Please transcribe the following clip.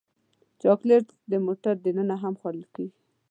چاکلېټ د موټر دننه هم خوړل کېږي.